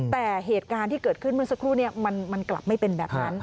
แต่เหตุการณ์ที่เกิดขึ้นเมื่อสักครู่นี้มันกลับไม่เป็นแบบนั้น